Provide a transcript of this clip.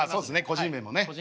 個人名もね。